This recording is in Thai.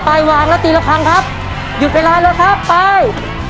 ไปวางแล้วตีละครั้งครับหยุดเวลาแล้วครับไป